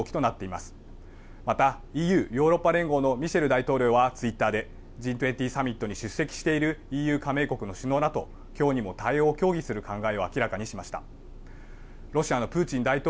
またＥＵ・ヨーロッパ連合のミシェル大統領はツイッターでＧ２０サミットに出席しているＥＵ加盟国の首脳らときょうにも対応を協議する考えを明らかにしました。